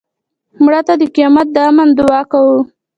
مړه ته د قیامت د امن دعا کوو